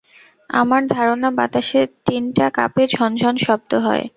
আমার ধারণা বাতাসে টিনটা কাঁপে, ঝন ঝন শব্দ হয়।